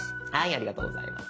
ありがとうございます。